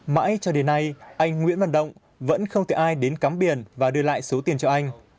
mãi cho đến nay anh nguyễn văn động vẫn không thể ai đến cắm biển và đưa lại số tiền cho anh